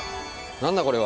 何だこれは？